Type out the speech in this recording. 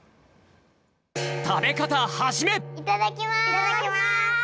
いただきます。